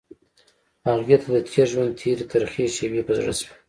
هغې ته د تېر ژوند تېرې ترخې شېبې په زړه شوې.